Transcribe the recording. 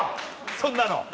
そんなの。